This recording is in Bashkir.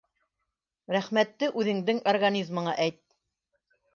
Рәхмәтте үҙеңдең организмыңа әйт!